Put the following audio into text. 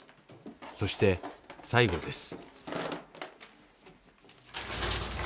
そして最後です。